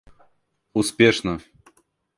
успешно